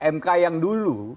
mk yang dulu